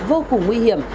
vô cùng nguy hiểm